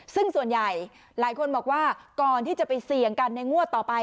ซึ่งส่วนใหญ่หลายคนบอกว่าก่อนที่จะไปเสี่ยงกันในงวดต่อไป